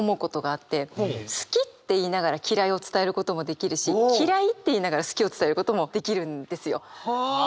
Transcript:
「好き」って言いながら「嫌い」を伝えることもできるし「嫌い」って言いながら「好き」を伝えることもできるんですよ。